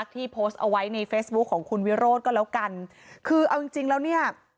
ที่โพสต์เอาไว้ในเฟซบุ๊คของคุณวิโรธก็แล้วกันคือเอาจริงจริงแล้วเนี่ย